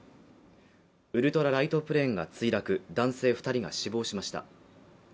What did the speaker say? ウルトラライトプレーンが墜落、男性２人が死亡しました。